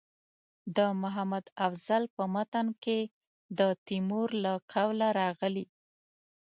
د محمد افضل په متن کې د تیمور له قوله راغلي.